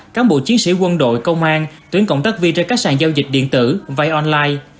cán bộ chiến sĩ quân đội công an tuyến cộng tác vi trên các sàn giao dịch điện tử vay online